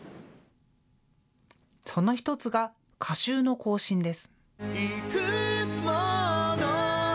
その１つが歌集の更新です。